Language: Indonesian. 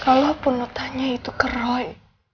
kalaupun notanya itu keroy